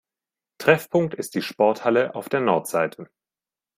Treffpunkt ist die Sporthalle auf der Nordseite.